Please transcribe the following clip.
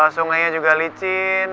sungainya juga licin